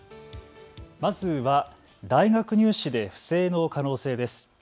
まずは大学入試で不正の可能性です。